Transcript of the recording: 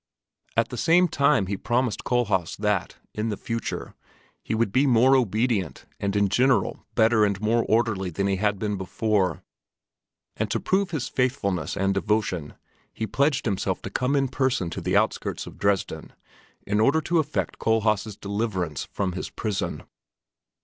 At the same time he promised Kohlhaas that, in the future, he would be more obedient and in general better and more orderly than he had been before; and to prove his faithfulness and devotion he pledged himself to come in person to the outskirts of Dresden in order to effect Kohlhaas' deliverance from his prison.